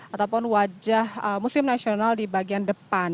ataupun wajah museum nasional di bagian depan